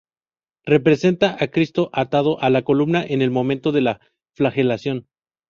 Representa a Cristo atado a la columna en el momento de la flagelación.